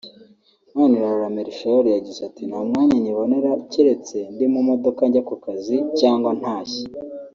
Manirarora Melchior yagize ati “Nta mwanya nyibonera keretse ndi mu modoka njya ku kazi cyangwa ntashye